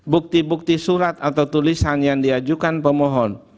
bukti bukti surat atau tulisan yang diajukan pemohon